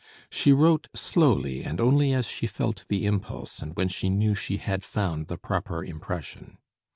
She wrote slowly and only as she felt the impulse, and when she knew she had found the proper impression.